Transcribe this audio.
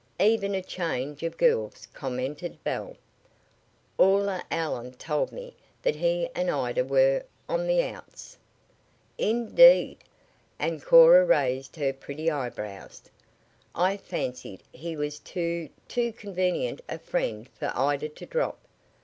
"Even a change of girls," commented Belle. "Aula Allen told me that he and Ida were `on the outs.'" "Indeed!" and Cora raised her pretty eyebrows. "I fancied he was too too convenient a friend for Ida to drop.